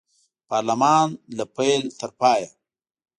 پارلمان له پیل تر پایه